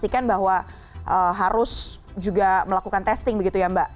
memastikan bahwa harus juga melakukan testing begitu ya mbak